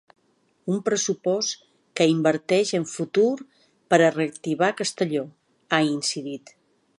“Un pressupost que inverteix en futur per a reactivar Castelló”, ha incidit.